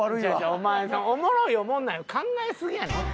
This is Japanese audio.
お前おもろいおもんないを考えすぎやねん。